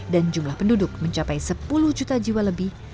dan jumlah penduduk mencapai sepuluh juta jiwa lebih